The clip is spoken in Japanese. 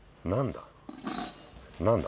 何だ？